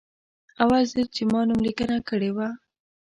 اول ځل چې ما نوملیکنه کړې وه.